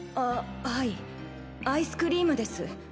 あはいアイスクリームです。